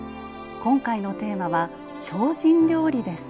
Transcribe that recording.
今回のテーマは「精進料理」です。